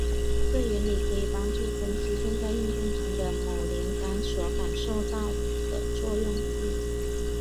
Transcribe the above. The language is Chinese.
这原理可以帮助分析正在运动中的某连杆所感受到的作用力。